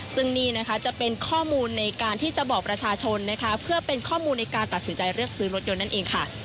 ซึ่งนี่นะคะจะเป็นข้อมูลในการที่จะบอกประชาชนนะคะเพื่อเป็นข้อมูลในการตัดสินใจเลือกซื้อรถยนต์นั่นเองค่ะ